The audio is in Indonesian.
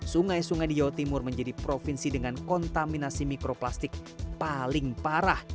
sungai sungai di jawa timur menjadi provinsi dengan kontaminasi mikroplastik paling parah